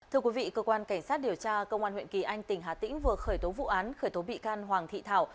thưa quý vị cơ quan cảnh sát điều tra công an huyện kỳ anh tỉnh hà tĩnh vừa khởi tố vụ án khởi tố bị can hoàng thị thảo